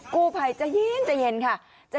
กูภัยจะเย็นค่ะ